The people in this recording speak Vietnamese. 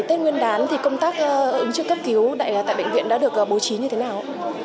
tết nguyên đán thì công tác ứng trực cấp cứu tại bệnh viện đã được bố trí như thế nào